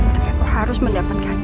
tapi aku harus mendapatkannya